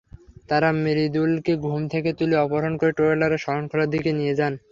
তাঁরা মৃদুলকে ঘুম থেকে তুলে অপহরণ করে ট্রলারে শরণখোলার দিকে নিয়ে যান।